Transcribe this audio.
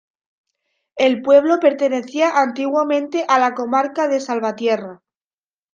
El pueblo pertenecía antiguamente a la comarca de Salvatierra.